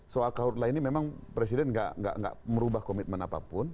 soal kawasan lainnya memang presiden gak merubah komitmen apapun